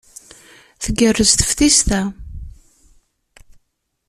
Tgerrez teftist-a.